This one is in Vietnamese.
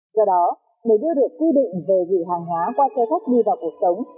do đó để đưa được quy định về gửi hàng hóa qua xe khách đi vào cuộc sống